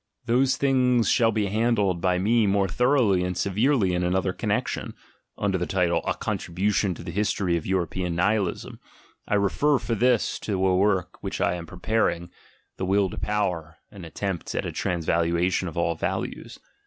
those things shall be handled by me more thoroughly and se verely in another connection (under the title "A Contri bution to the History of European Nihilism," I refer for this to a work which I am preparing: The Will to Power, an Attempt at a Transvaluation of All Values).